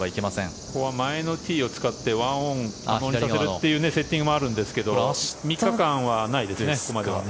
ここは前のティーを使って１オンさせるというセッティングもあるんですけど３日間はないですね